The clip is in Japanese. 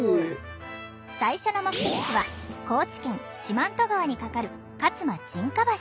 最初の目的地は高知県四万十川に架かる勝間沈下橋。